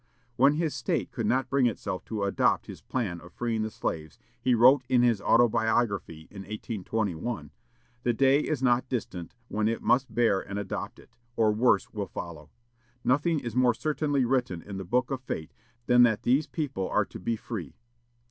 When his State could not bring itself to adopt his plan of freeing the slaves, he wrote in his autobiography, in 1821, "The day is not distant when it must bear and adopt it, or worse will follow. Nothing is more certainly written in the book of fate than that these people are to be free."